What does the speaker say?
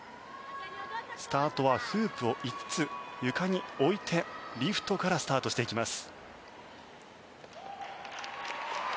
スタートはフープを５つ床に置いてリフトからスタートしていきます。